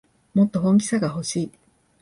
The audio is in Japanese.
もっと本気さがほしい